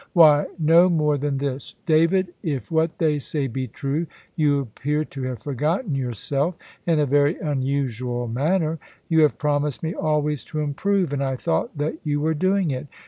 Why, no more than this: "David, if what they say be true, you appear to have forgotten yourself in a very unusual manner. You have promised me always to improve; and I thought that you were doing it.